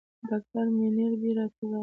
ډاکټر منیربې راته راغی.